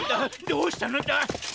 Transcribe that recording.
どうしたのだ？